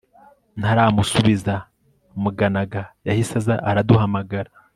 ntaramusubiza muganaga yahise aza araduhamagara